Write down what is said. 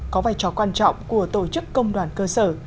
có vai trò quan trọng của tổ chức công đoàn cơ sở